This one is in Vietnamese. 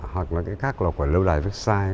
hoặc là cái khác là của lâu đài vecchiai